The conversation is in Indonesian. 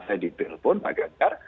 saya ditelepon pak ganyar